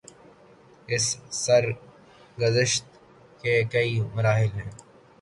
اس سرگزشت کے کئی مراحل ہیں۔